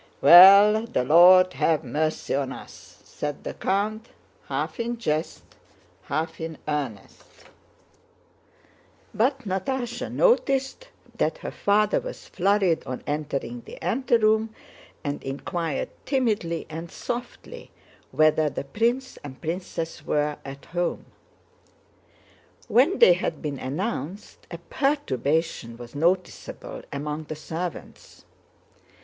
"Well, the Lord have mercy on us!" said the count, half in jest, half in earnest; but Natásha noticed that her father was flurried on entering the anteroom and inquired timidly and softly whether the prince and princess were at home. When they had been announced a perturbation was noticeable among the servants.